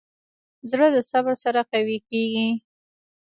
زړه د صبر سره قوي کېږي.